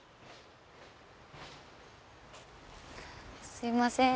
すいません。